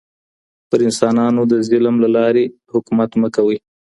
پر انسانانو د ظلم له لاري حکومت مه کوئ.